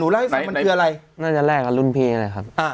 เล่าให้ฟังมันคืออะไรน่าจะแลกกับรุ่นพี่นะครับ